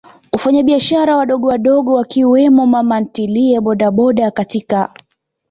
wafanyabiashara wadogowadogo Wakiwemo mamantilie bodaboda katika